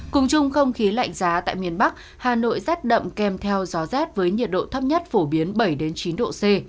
cùng chung không khí lạnh giá tại miền bắc hà nội rét đậm kèm theo gió rét với nhiệt độ thấp nhất phổ biến bảy chín độ c